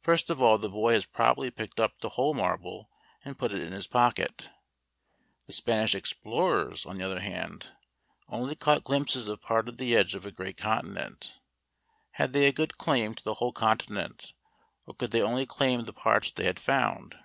First of all, the boy has probably picked up the whole marble and put it in his pocket. The Spanish explorers, on the other hand, only caught glimpses of part of the edge of a great continent. Had they a good claim to the whole continent or could they only claim the parts they had found?